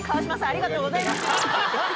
ありがとうございます